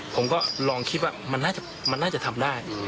ผมก็ลองคิดว่ามันน่าจะทำได้